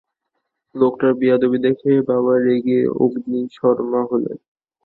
লােকটার বেয়াদবি দেখে বাবা রেগে অগ্নিশর্মা হলেন।